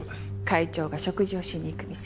会長が食事をしに行く店。